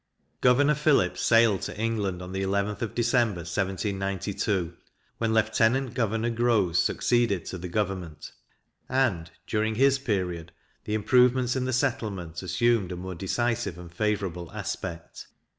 Governor Phillip sailed to England on the 11th of December, 1792, when Lieutenant Governor Grose succeeded to the government; and, during his period, the improvements in the settlement assumed a more decisive and favourable aspect.